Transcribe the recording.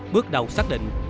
bước đầu xác định